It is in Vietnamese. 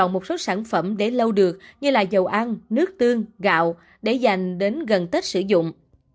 một số sản phẩm để lâu được như là dầu ăn nước tương gạo để dành đến gần tết sử dụng